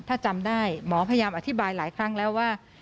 ถ้าจำได้หมอพยายามอธิบายหลายครั้งแล้วว่า